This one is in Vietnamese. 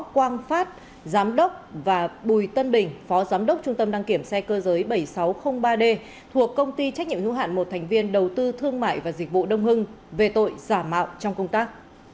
quang phát giám đốc và bùi tân bình phó giám đốc trung tâm đăng kiểm xe cơ giới bảy nghìn sáu trăm linh ba d thuộc công ty trách nhiệm hữu hạn một thành viên đầu tư thương mại và dịch vụ đông hưng về tội giả mạo trong công tác